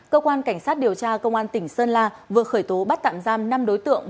cơ quan cảnh sát điều tra công an tỉnh sơn la vừa khởi tố bắt tạm giam năm đối tượng